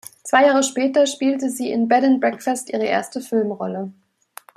Zwei Jahre später spielte sie in "Bed and Breakfast" ihre erste Filmrolle.